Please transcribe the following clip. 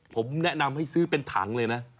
ผมแนะนำให้ซื้อเป็นถังเลยนะ